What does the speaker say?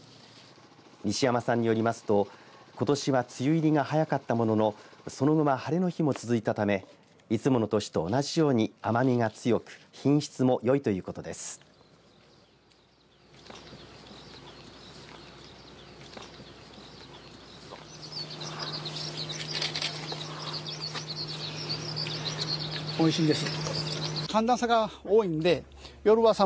西山さんによりますとことしは梅雨入りが早かったもののその後は晴れの日も続いたためいつもの年と同じように甘みが強く品質もよいということです。